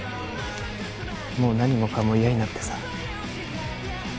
もう何もかも嫌になってさ。